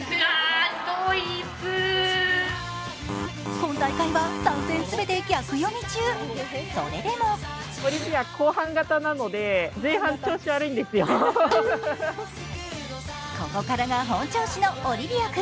今大会は３戦全て逆読み中、それでもここからが本調子のオリビア君。